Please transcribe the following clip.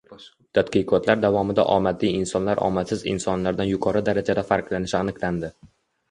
Tadqiqotlar davomida omadli insonlar omadsiz insonlardan yuqori darajada farqlanishi aniqlandi